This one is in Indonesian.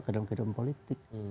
ke dalam kehidupan politik